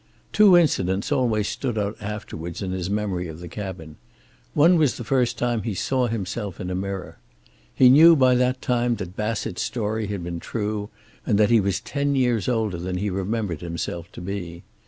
Two incidents always stood out afterwards in his memory of the cabin. One was the first time he saw himself in a mirror. He knew by that time that Bassett's story had been true, and that he was ten years older than he remembered himself to be.